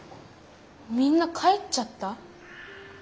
みんな帰っちゃった？